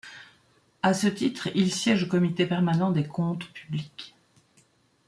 À ce titre, il siège au Comité permanent des Comptes publics.